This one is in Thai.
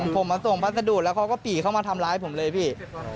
ผมมาส่งพัสดุแล้วเขาก็ปี่เข้ามาทำร้ายผมเลยพี่